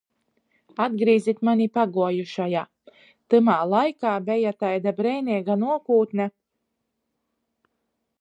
Atgrīzit mani paguojušajā. Tymā laikā beja taida breineiga nuokūtne...